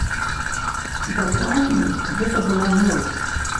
Дакладней, гэта была ноч.